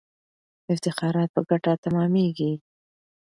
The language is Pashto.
افتخارات په ګټه تمامیږي.